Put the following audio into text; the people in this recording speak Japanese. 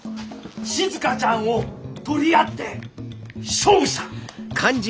静ちゃんを取り合って勝負した！